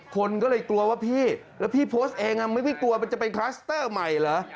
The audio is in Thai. คนก็เลยกลัวว่าพี่แล้วพี่โพสต์เองไม่กลัวมันจะเป็นคลัสเตอร์ใหม่เหรอ